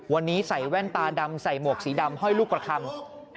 วันนี้ใส่แว่นตาดำใส่หมวกสีดำห้อยลูกกระคำ